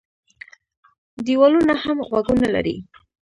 دېوالونه هم غوږونه لري.